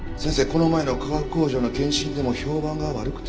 この前の化学工場の検診でも評判が悪くて。